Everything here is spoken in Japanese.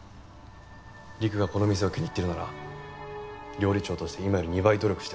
りくがこの店を気に入ってるなら料理長として今より２倍努力してほしい。